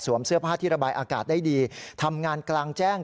เสื้อผ้าที่ระบายอากาศได้ดีทำงานกลางแจ้ง